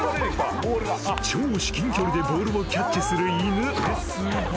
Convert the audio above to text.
［超至近距離でボールをキャッチする犬］